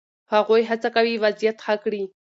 هغوی هڅه کوي وضعیت ښه کړي.